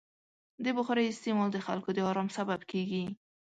د بخارۍ استعمال د خلکو د ارام سبب کېږي.